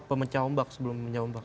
pemecah ombak sebelum pemeca ombak